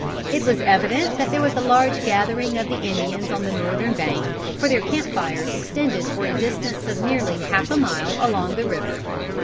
It was evident that there was a large gathering of the Indians on the northern bank, for their camp fires extended for a distance of nearly half a mile along the river.